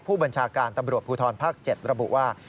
ผู้บัญชาการตำรวจภูทรภาค๗ระบุว่า